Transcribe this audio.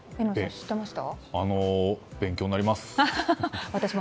勉強になります！